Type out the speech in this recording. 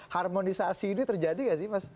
harmonisasi ini terjadi gak sih mas